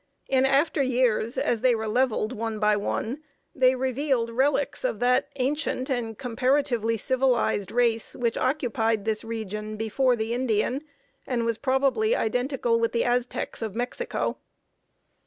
In after years, as they were leveled, one by one, they revealed relics of that ancient and comparatively civilized race, which occupied this region before the Indian, and was probably identical with the Aztecs of Mexico.